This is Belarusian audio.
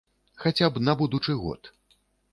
Хаця б на будучы год.